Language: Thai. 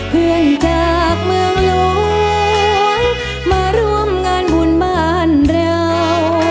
เพื่อนจากเมืองหลวงมาร่วมงานบุญบ้านเรา